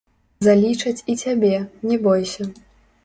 Залічаць і цябе, не бойся.